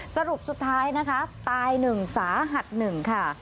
สรุปสุดท้ายนะครับตายหนึ่งสาหัสหนึ่งค่ะ